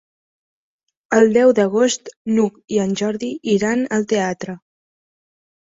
El deu d'agost n'Hug i en Jordi iran al teatre.